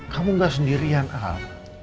kamu gak sendirian al